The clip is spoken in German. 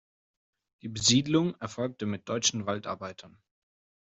Die Besiedlung erfolgte mit deutschen Waldarbeitern.